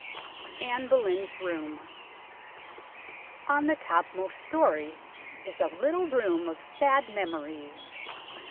ANNE BOLEYN'S ROOM On the topmost storey is a little room of sad memories.